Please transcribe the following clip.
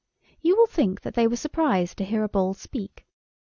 You will think that they were surprised to hear a ball speak.